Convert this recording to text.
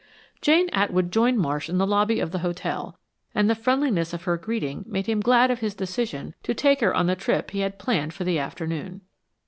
Jane Atwood joined Marsh in the lobby of the hotel, and the friendliness of her greeting made him glad of his decision to take her on the trip he had planned for the afternoon.